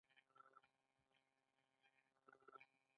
دا ټول د لیک له امله ممکن شول.